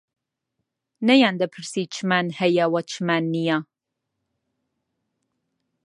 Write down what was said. نەیان دەپرسی چمان هەیە و چمان نییە